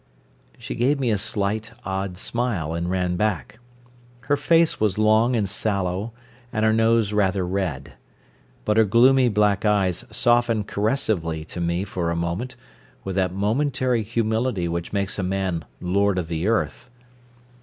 She gave me a slight, odd smile, and ran back. Her face was long and sallow and her nose rather red. But her gloomy black eyes softened caressively to me for a moment, with that momentary humility which makes a man lord of the earth.